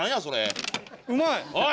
うまい。